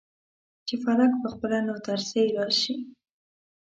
چې فلک پخپله ناترسۍ راشي.